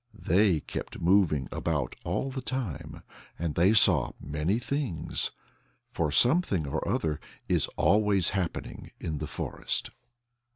They kept moving about all the time. And they saw many things, for something or other is always happening in the forest.